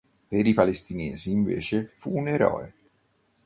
Per i palestinesi invece fu un eroe.